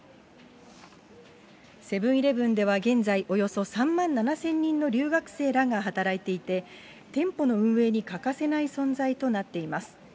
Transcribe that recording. セブンーイレブンでは現在、およそ３万７０００人の留学生らが働いていて、店舗の運営に欠かせない存在となっています。